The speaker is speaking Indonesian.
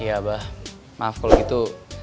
ya abah maaf kalau gitu